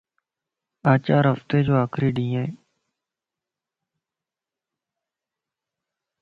آچار ھفتي جو آخري ڏينھن ائي